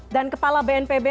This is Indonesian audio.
dan kepala bnpb